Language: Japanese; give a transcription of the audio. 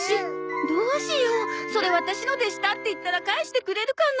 どうしようそれワタシのでしたって言ったら返してくれるかな？